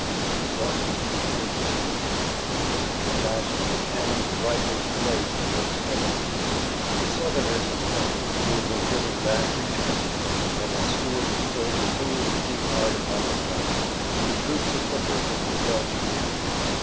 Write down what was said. There was often actual physical contact, and the flash from the cannon and rifles blazed in Dick's face. The Southerners in front who had been driven back returned, and as Stuart and Hill continued to beat hard upon their flanks, the troops of Hooker were compelled to retreat.